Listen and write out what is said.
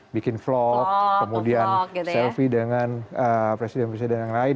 bikin vlog kemudian selfie dengan presiden presiden yang lain